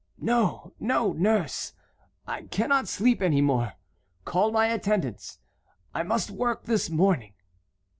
"No, no, nurse, I cannot sleep any more. Call my attendants. I must work this morning."